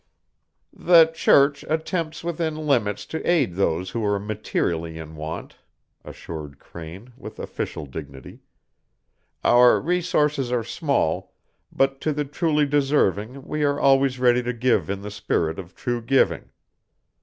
"The Church attempts within limits to aid those who are materially in want," assured Crane, with official dignity. "Our resources are small, but to the truly deserving we are always ready to give in the spirit of true giving."